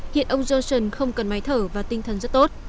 hiện ông johnson không cần máy thở và tinh thần rất tốt